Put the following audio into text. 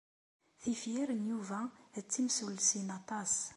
Tifyar n Yuba d timsullsin aṭas.